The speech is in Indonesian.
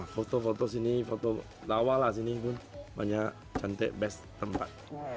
foto foto sini foto tawa lah sini pun banyak cantik best tempat